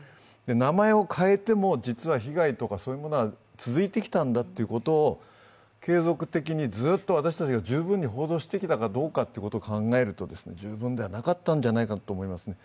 名前を変えても実は被害とかそういうものが続いてきたんだということを継続的にずっと私たちが十分に報道してきたかどうかを考えると、十分ではなかったんじゃないかと思いますね。